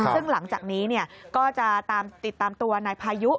ซึ่งหลังจากนี้ก็จะติดตามตัวนายพายุ